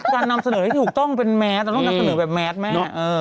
การนำเสนอให้ถูกต้องเป็นแมสเราต้องนำเสนอแบบแมสแม่